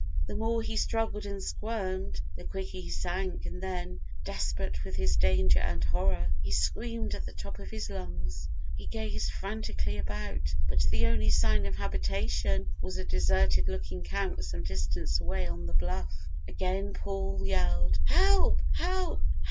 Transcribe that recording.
The more he struggled and squirmed the quicker he sank and then, desperate with his danger and horror, he screamed at the top of his lungs. He gazed frantically about, but the only sign of habitation was a deserted looking camp some distance away on the bluff. Again Paul yelled "Help! Help!